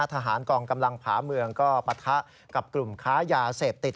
ทหารกองกำลังผาเมืองก็ปะทะกับกลุ่มค้ายาเสพติด